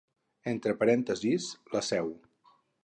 Entre parèntesis, la seu.